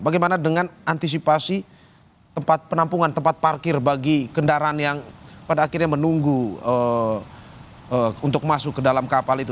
bagaimana dengan antisipasi tempat penampungan tempat parkir bagi kendaraan yang pada akhirnya menunggu untuk masuk ke dalam kapal itu